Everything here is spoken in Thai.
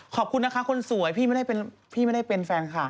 ขอบคุณนะคะคนสวยพี่ไม่ได้เป็นแฟนค่ะ